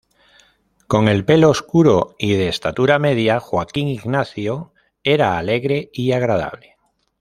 Con el pelo oscuro y de estatura media, Joaquín Ignacio era alegre y agradable.